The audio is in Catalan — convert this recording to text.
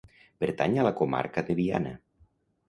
Pertany a la Comarca de Viana.